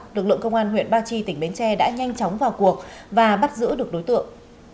lực lượng công an huyện ba chi tỉnh bến tre đã nhanh chóng vào cuộc và bắt giữ được đối tượng